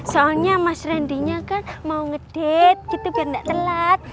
soalnya mas randinya kan mau ngedate gitu biar gak telat